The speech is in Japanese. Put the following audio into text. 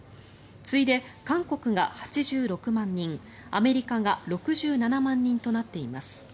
次いで韓国が８６万人アメリカが６７万人となっています。